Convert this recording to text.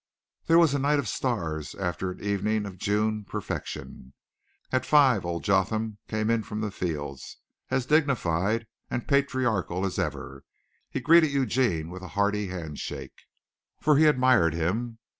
There was a night of stars after an evening of June perfection. At five old Jotham came in from the fields, as dignified and patriarchal as ever. He greeted Eugene with a hearty handshake, for he admired him.